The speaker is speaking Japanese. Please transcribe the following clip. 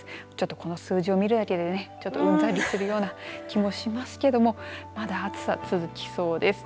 この数字を見るだけでうんざりするような気もしますけどまだ暑さ続きそうです。